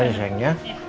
bentar ya sayangnya